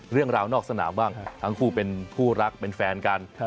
เรื่องราวนอกสนามบ้างทั้งคู่เป็นคู่รักเป็นแฟนกัน